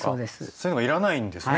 そういうのが要らないんですね。